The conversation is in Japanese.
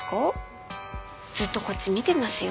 ずっとこっち見てますよ。